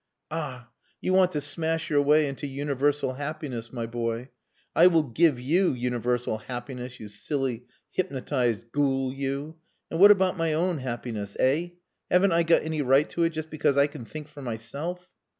Ah! you want to smash your way into universal happiness, my boy. I will give you universal happiness, you silly, hypnotized ghoul, you! And what about my own happiness, eh? Haven't I got any right to it, just because I can think for myself?..."